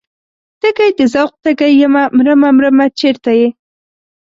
تږی د ذوق تږی یمه مرمه مرمه چرته یې؟